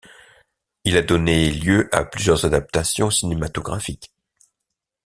Il a donné lieu a plusieurs adaptations cinématographiques.